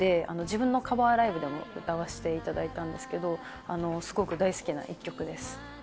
自分のカバーライブでも歌わせていただいたんですがすごく大好きな一曲です。